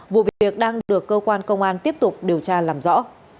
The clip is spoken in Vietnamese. vụ việc đang được cơ quan công an tiếp tục điều tra làm rõ